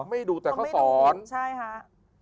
ไม่ถูกแต่เค้าสอนก็คือใช่ครับ